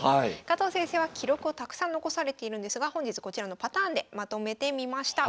加藤先生は記録をたくさん残されているんですが本日こちらのパターンでまとめてみました。